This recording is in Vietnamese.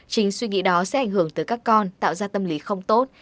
chính suy nghĩ đó sẽ ảnh hưởng tới các con tạo ra tâm lý không tốt